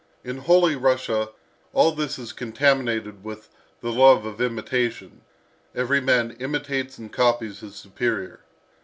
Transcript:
In Holy Russia, all is thus contaminated with the love of imitation; every man imitates and copies his superior.